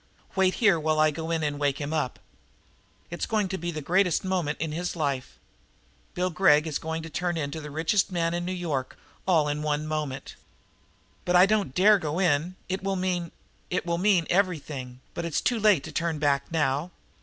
"Wait here while I go in and wake him up. It's going to be the greatest moment in his life! Poor Bill Gregg is going to turn into the richest man in New York City all in one moment!" "But I don't dare go in. It will mean " "It will mean everything, but it's too late to turn back now.